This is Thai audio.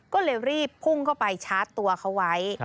ก็เลยรีบพุ่งเข้าไปชาร์จตัวเขาไว้